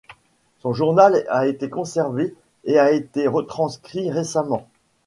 Son journal a été conservé et a été retranscrit récemment.